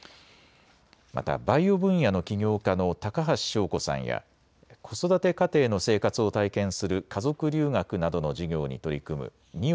またバイオ分野の起業家の高橋祥子さんや子育て家庭の生活を体験する家族留学などの事業に取り組む新居